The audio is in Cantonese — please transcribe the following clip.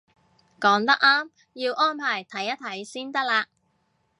講得啱，要安排睇一睇先得嘞